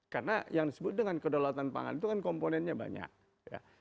karena yang disebut dengan kedolatan pangan itu kan komponennya banyak ya